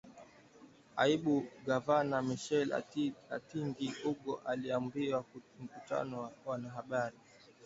Naibu Gavana Michael Atingi-Ego aliuambia mkutano wa wanahabari